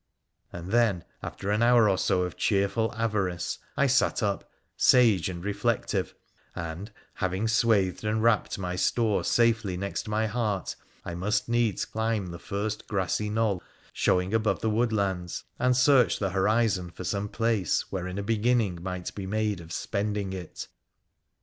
And then, after an hour or so of cheerful avarice, I sat up sage and reflective, and, having swathed and wrapped my store safely next my heart, I must needs climb the first grassy knoll showing above the woodlands and search the horizon for some place wherein a beginning might be made of spending it.